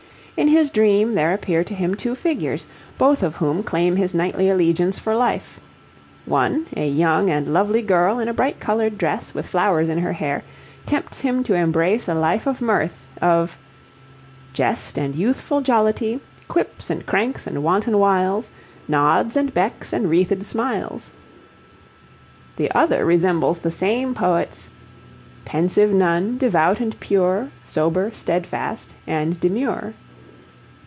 In his dream there appear to him two figures, both of whom claim his knightly allegiance for life: one, a young and lovely girl in a bright coloured dress with flowers in her hair, tempts him to embrace a life of mirth, of Jest and youthful Jollity, Quips and Cranks and wanton Wiles, Nods and Becks and wreathed Smiles. The other resembles the same poet's Pensive Nun, devout and pure, Sober, steadfast, and demure.